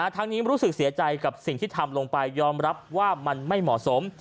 ทั้งนี้รู้สึกเสียใจกับสิ่งที่ทำลงไปยอมรับว่ามันไม่เหมาะสม